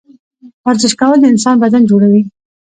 ورزش کول د انسان بدن جوړوي